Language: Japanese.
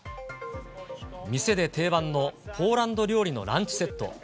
店で定番のポーランド料理のランチセット。